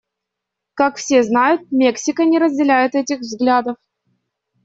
Как все знают, Мексика не разделяет этих взглядов.